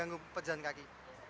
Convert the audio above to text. jangan kecepatan pejalan kaki